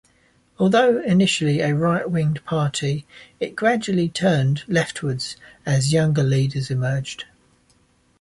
Although initially a right wing-party, it gradually turned leftwards as younger leaders emerged.